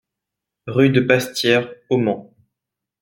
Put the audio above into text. Rue de Pastière au Mans